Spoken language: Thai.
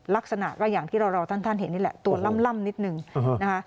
ลักษณะก็อย่างที่เราท่านเห็นนี่แหละตัวล่ำนิดนึงนะคะ